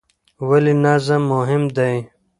ولې نظم مهم دی؟